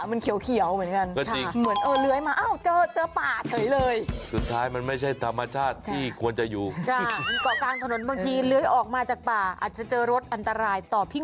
มันเขียวเหมือนเหมือนเรา